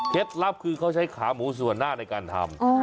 ลับคือเขาใช้ขาหมูส่วนหน้าในการทำ